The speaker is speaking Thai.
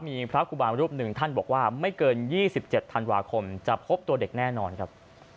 มีพระครูบารูปหนึ่งท่านบอกว่าไม่เกิน๒๗ธันวาคมจะพบตัวเด็กแน่นอนครับ